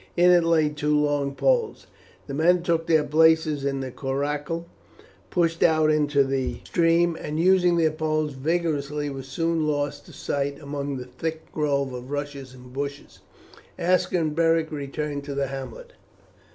In it lay two long poles. The men took their places in the coracle, pushed out into the stream, and using their poles vigorously were soon lost to sight among the thick grove of rush and bushes. Aska and Beric returned to the hamlet.